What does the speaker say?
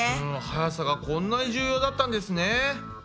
はやさがこんなに重要だったんですね。